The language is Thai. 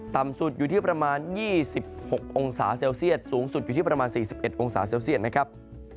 ต่ำสุดอยู่ที่ประมาณ๒๖องศาเซลเซียตสูงสุดอยู่ที่ประมาณ๔๑องศาเซลเซียตนะครับ